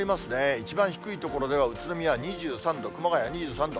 一番低い所では、宇都宮２３度、熊谷２３度。